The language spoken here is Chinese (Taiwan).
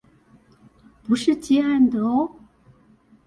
不是接案的喔